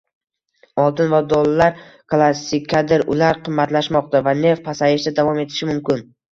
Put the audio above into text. Oltin va dollar klassikadir, ular qimmatlashmoqda va neft pasayishda davom etishi mumkin